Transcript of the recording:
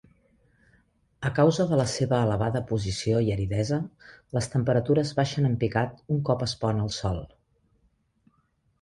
A causa de la seva elevada posició i aridesa, les temperatures baixen en picat un cop es pon el sol.